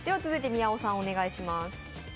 続いて宮尾さんお願いします。